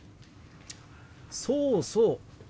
そうそう。